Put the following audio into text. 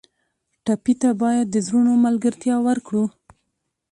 ټپي ته باید د زړونو ملګرتیا ورکړو.